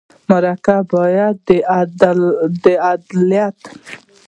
مرکه باید د عدالت پر بنسټ وي.